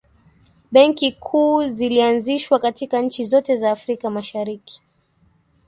benki kuu zilianzishwa katika nchi zote za afrika mashariki